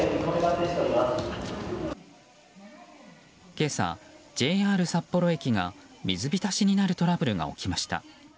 今朝、ＪＲ札幌駅が水浸しになるトラブルが起きました。